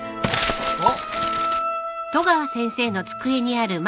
・あっ。